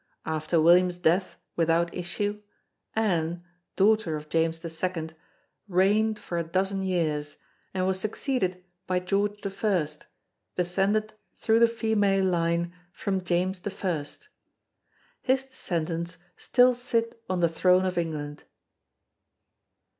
After William's death without issue, Anne, daughter of James II, reigned for a dozen years, and was succeeded by George I, descended through the female line from James I. His descendants still sit on the throne of England.